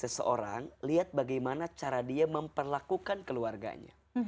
seseorang lihat bagaimana cara dia memperlakukan keluarganya